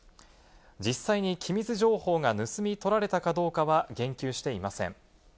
実際に機密情報が盗み取られたかどうかは言及していません。